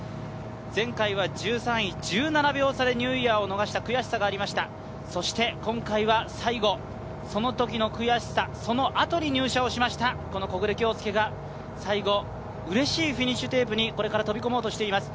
前回は１３位、１７秒差でニューイヤーを逃した悔しさがありました、そして今回は最後、そのときの悔しさ、そのあとに入社をしました木榑杏祐が最後、うれしいフィニッシュテープにこれから飛び込もうとしています。